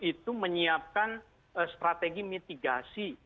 itu menyiapkan strategi mitigasi